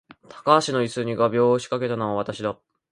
高橋の椅子に画びょうを仕掛けたのは私だ